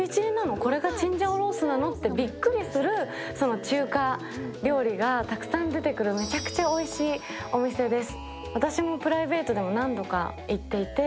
これがチンジャオロースなの？ってびっくりする中華料理がたくさん出てくるめちゃくちゃおいしいお店です。